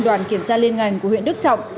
đoàn kiểm tra liên ngành của huyện đức trọng